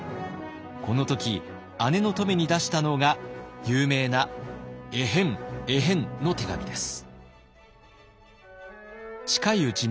この時姉の乙女に出したのが有名な「エヘンエヘン」の手紙です。